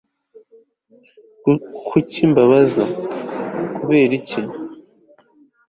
kuki mbabaza? (kubera iki?